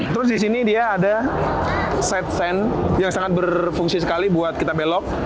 terus di sini dia ada set sen yang sangat berfungsi sekali buat kita belok